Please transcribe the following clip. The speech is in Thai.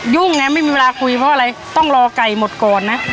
ไงไม่มีเวลาคุยเพราะอะไรต้องรอไก่หมดก่อนนะ